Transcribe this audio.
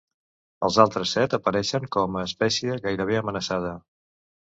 Els altres set apareixen com a espècie Gairebé amenaçada.